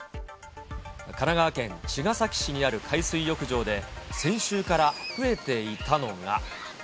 神奈川県茅ヶ崎市にある海水浴場で、先週から増えていたのが。